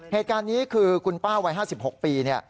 เหตุการณ์นี้คือคุณป้าวัย๕๖ปีเนี่ย